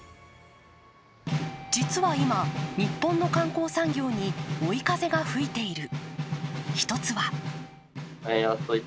実は今、日本の観光産業に追い風が吹いている。